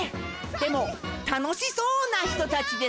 でもたのしそうな人たちですね！